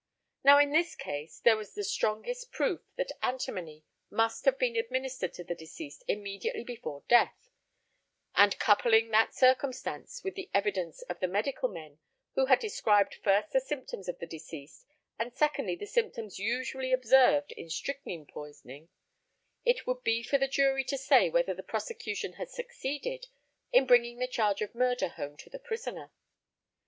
Now, in this case, there was the strongest proof that antimony must have been administered to the deceased immediately before death; and coupling that circumstance with the evidence of the medical men who had described first the symptoms of the deceased, and secondly, the symptoms usually observed in strychnine poisoning, it would be for the jury to say whether the prosecution had succeeded in bringing the charge of murder home to the prisoner.